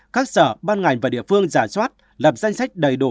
các sở ban ngành và địa phương giả soát lập danh sách đầy đủ